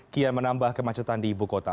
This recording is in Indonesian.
kian menambah kemacetan di ibu kota